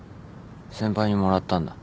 先輩にもらったんだ。